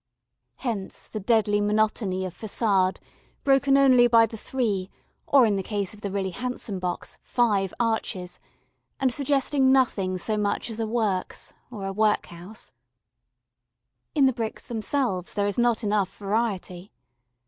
Hence, the deadly monotony of façade, broken only by the three or, in the case of the really handsome box, five arches, and suggesting nothing so much as a "works" or a workhouse. [Illustration: THE SQUARE TOWER.] In the bricks themselves there is not enough variety.